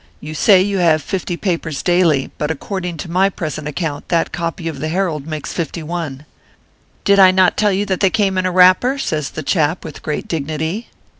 You say you have fifty" papers daily but according to my account that copy of the Herald makes fifty one." " Did I not tell you that they came in a wrapper ? says the chap, with great dignity.